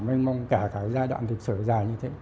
mình mong cả giai đoạn thực sự dài như thế